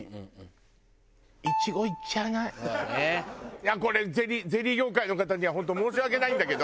いやこれゼリーゼリー業界の方には本当申し訳ないんだけど。